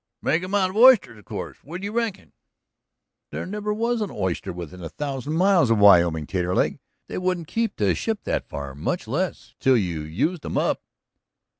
"Make 'em out of? Oysters, of course. What do you reckon?" "There never was an oyster within a thousand miles of Wyoming, Taterleg. They wouldn't keep to ship that far, much less till you'd used 'em up."